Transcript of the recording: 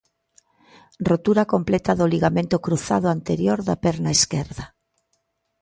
Rotura completa do ligamento cruzado anterior da perna esquerda.